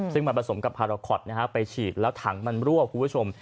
ซึ่งมันผสมกับพาราคอตไปฉีดแล้วถังมันรั่วคุณผู้ชม